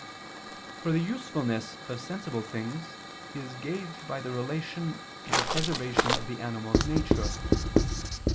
For the usefulness of sensible things is gauged by their relation to the preservation of the animal's nature.